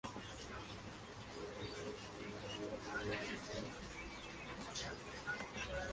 Ha publicado tres libros de fotos.